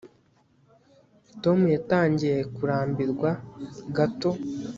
tom yatangiye kurambirwa gato